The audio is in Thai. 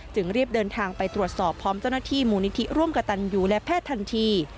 รีบเดินทางไปตรวจสอบพร้อมเจ้าหน้าที่มูลนิธิร่วมกับตันยูและแพทย์ทันที